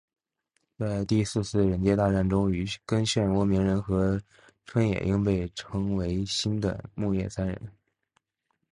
在第四次忍界大战中跟漩涡鸣人和春野樱被称为新的木叶三忍。